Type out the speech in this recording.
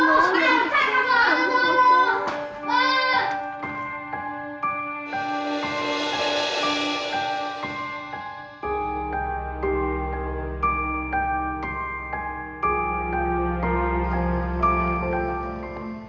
masa ini aku mau ke rumah